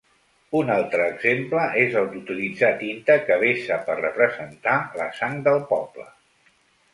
Un altre exemple és el d’utilitzar tinta que vessa per representar la sang del poble.